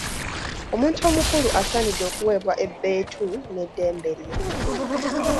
Omuntu omukulu asaanidde okuweebwa ebbeetu ne ddembe lye.